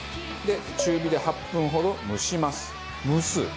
で中火で８分ほど蒸します蒸す？